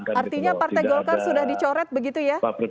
artinya partai golkar sudah dicoret begitu ya